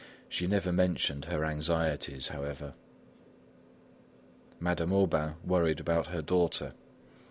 She never mentioned her anxieties, however. Madame Aubain worried about her daughter.